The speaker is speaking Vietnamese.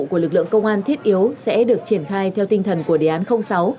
công an thiết yếu sẽ được triển khai theo tinh thần của đề án sáu